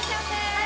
はい！